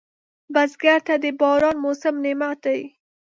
بزګر ته د باران موسم نعمت دی